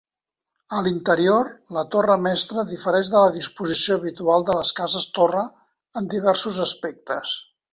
A l'interior, la torre mestra difereix de la disposició habitual de les cases-torre en diversos aspectes.